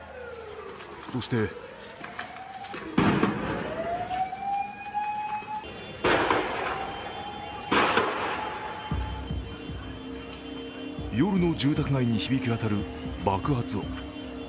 そして夜の住宅街に響きわたる爆発音。